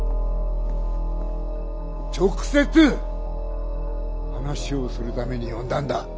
直接話をするために呼んだんだ。